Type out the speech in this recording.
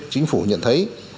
chính phủ nhận thấy